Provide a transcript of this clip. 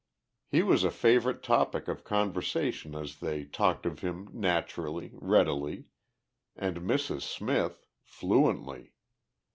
He was a favourite topic of conversation and they talked of him naturally, readily, and Mrs. Smith, fluently.